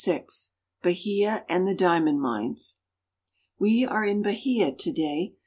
BAHIA AND THE DIAMOND MINES. WE are in Bahia to day.